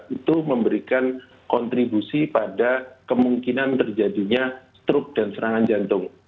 itu memberikan kontribusi pada kemungkinan terjadinya struk dan serangan jantung